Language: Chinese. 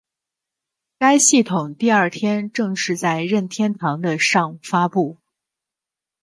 该系统第二天正式在任天堂的上发布。